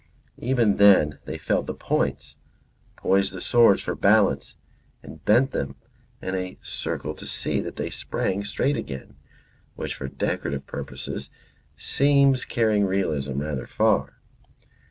Even then they felt the points, poised the swords for balance and bent them in a circle to see that they sprang straight again; which, for decorative purposes, seems carrying realism rather far.